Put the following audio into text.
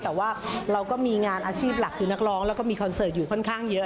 แต่ว่าเราก็มีงานอาชีพหลักคือนักร้องแล้วก็มีคอนเสิร์ตอยู่ค่อนข้างเยอะ